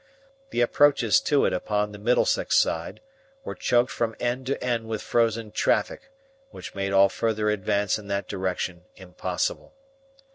The approaches to it upon the Middlesex side were choked from end to end with frozen traffic which made all further advance in that direction impossible.